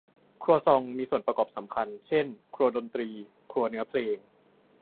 ครัวซองมีส่วนประกอบสำคัญเช่น ครัวดนตรี ครัวเนื้อเพลง